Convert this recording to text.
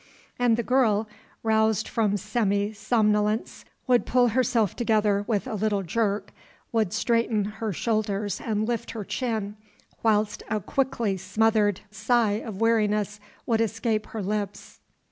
And the girl, roused from semi somnolence, would pull herself together with a little jerk, would straighten her shoulders and lift her chin, whilst a quickly smothered sigh of weariness would escape her lips.